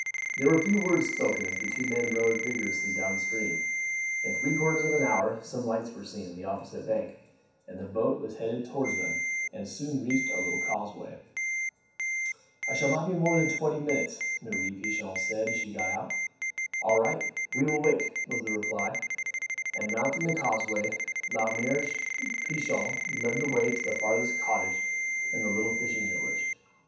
There were few words spoken as the two men rowed vigorously down stream. In three quarters of an hour some lights were seen on the opposite bank, and the boat was headed towards them and soon reached a little causeway. "I shall not be more than twenty minutes," Mere Pichon said as she got out. "All right, we will wait!" was the reply, and mounting the causeway La Mere Pichon led the way to the farthest cottage in the little fishing village.